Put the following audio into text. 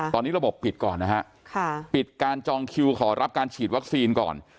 ตอนนี้ระบบปิดก่อนนะฮะปิดการจองคิวขอรับการฉีดวัคซีนก่อน